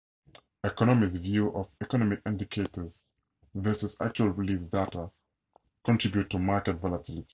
Economists' views of economic indicators versus actual released data contribute to market volatility.